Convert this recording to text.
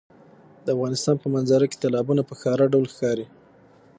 د افغانستان په منظره کې تالابونه په ښکاره ډول ښکاري.